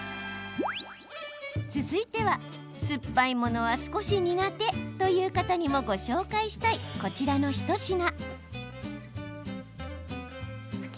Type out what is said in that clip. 続いては、酸っぱいものは少し苦手という方にもご紹介したい、こちらの一品。